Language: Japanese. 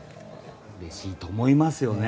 うれしいと思いますよね。